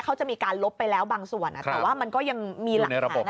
เขาจะมีการลบไปแล้วบางส่วนแต่ว่ามันก็ยังมีหลักฐาน